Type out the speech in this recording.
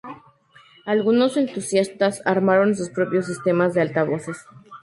Algunos entusiastas armaron sus propios sistemas de altavoces.